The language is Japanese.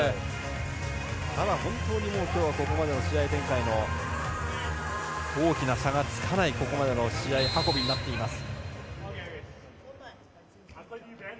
ただ本当に今日ここまでの試合展開大きな差がつかない、ここまでの試合運びになっています。